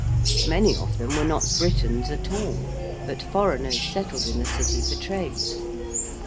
Many of them were not Britons at all, but foreigners settled in the City for trade.